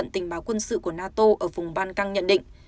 tình báo quân sự của nato ở vùng ban căng nhận định